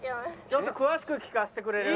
ちょっと詳しく聞かせてくれる？